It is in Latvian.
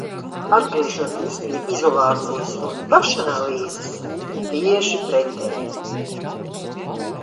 Atgriežoties pie izolācijas un pašanalīzes. Tieši pretēji.